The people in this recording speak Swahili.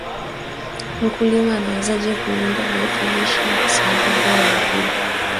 Mkulima anawezaje kulinda viazi lishe visiharibiwe na wadudu